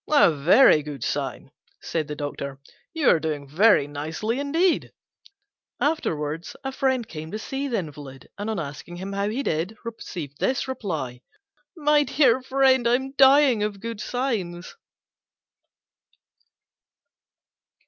"A very good sign," said the Doctor; "you are doing very nicely indeed." Afterwards a friend came to see the invalid, and on asking him how he did, received this reply: "My dear friend, I'm dying of good signs."